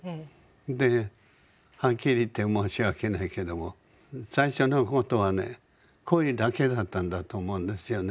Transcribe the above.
ではっきり言って申し訳ないけども最初のことはね恋だけだったんだと思うんですよね